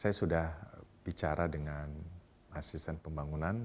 saya sudah bicara dengan asisten pembangunan